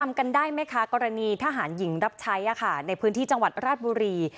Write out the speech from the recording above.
จำกันได้ไหมคะกรณีทหารหญิงรับใช้ในพื้นที่จังหวัดราชบุรี